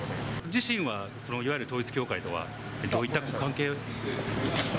自身はいわゆる統一教会とはどういったご関係？